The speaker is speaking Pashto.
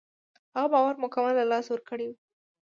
هغه باور مکمل له لاسه ورکړی و.